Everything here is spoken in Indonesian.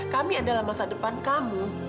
kami adalah masa depan kamu